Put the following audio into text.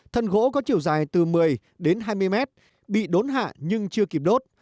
thân gỗ có chiều dài từ một mươi đến hai mươi mét bị đốn hạ nhưng chưa kịp đốt